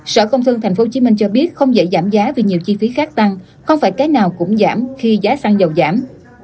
sở công thương tp hcm cho biết không dễ giảm giá vì nhiều chi phí khác tăng không phải cái nào cũng giảm khi giá xăng dầu giảm